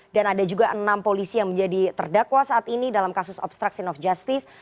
dan ada juga enam polisi yang menjadi terdakwa saat ini dalam kasus obstruction of justice